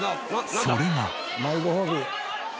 それが。